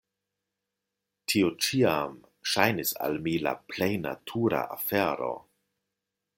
Tio ĉiam ŝajnis al mi la plej natura afero.